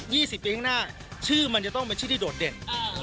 ี่สิบปีข้างหน้าชื่อมันจะต้องเป็นชื่อที่โดดเด่นอ่า